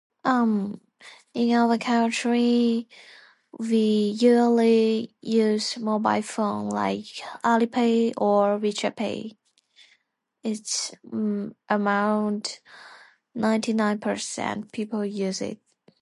Um, in our country, we usually use mobile phone like Alipay or WeChat Pay. It's about ninety-nine percent people use it.